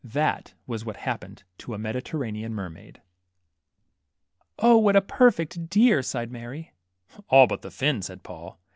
That was what happened to a Mediterranean mer maid. 0 ! what a perfect dear/' sighed Mary. All but the fin/' said Paul.